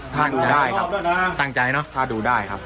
ตั้งใจได้ครับตั้งใจเนอะถ้าดูได้ครับ